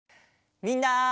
みんな！